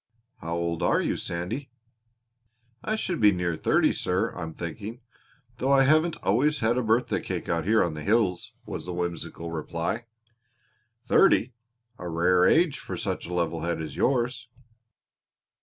"How old are you, Sandy?" "I should be near thirty, sir, I'm thinking, though I haven't always had a birthday cake out here on the hills," was the whimsical reply. "Thirty! A rare age for such a level head as yours!"